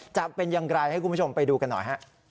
จะเป็นอย่างไรให้คุณผู้ชมไปดูกันหน่อยฮะ